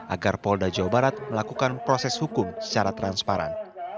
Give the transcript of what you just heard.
agar polda jawa barat melakukan proses hukum secara transparan